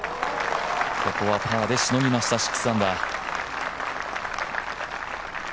ここはパーでしのぎました、６アンダー。